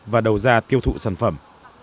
và đầu gia tiêu thụ sản phẩm